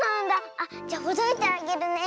あっじゃほどいてあげるね。